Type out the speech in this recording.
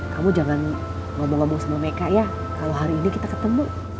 kamu jangan ngomong ngomong sama mereka ya kalau hari ini kita ketemu